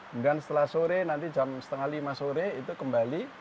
kemudian setelah sore nanti jam setengah lima sore itu kembali